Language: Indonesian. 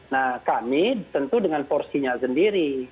nah kami tentu dengan porsinya sendiri